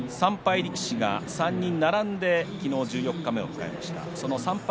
力士が３人並んで十四日目を迎えました。